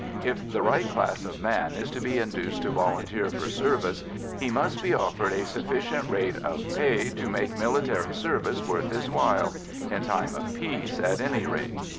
If the right class of man is to be induced to volunteer for service, he must be offered a sufficient rate of pay to make military service worth his while in time of peace, at any rate.